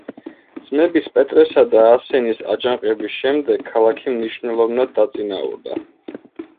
ძმების პეტრესა და ასენის აჯანყების შემდეგ ქალაქი მნიშვნელოვნად დაწინაურდა.